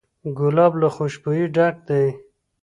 ګلاب له خوشبویۍ ډک دی.